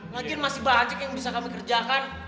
mungkin masih banyak yang bisa kami kerjakan